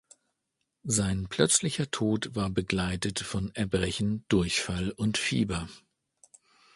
Sein plötzlicher Tod war begleitet von Erbrechen, Durchfall und Fieber.